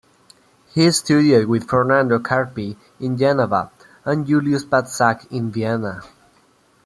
He studied with Fernando Carpi in Geneva and Julius Patzak in Vienna.